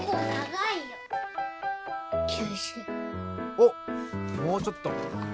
おっもうちょっと。